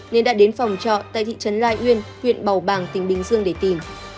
nên đã đến phòng trọ tại thị trấn lai uyên huyện bầu bàng tỉnh bình dương để tìm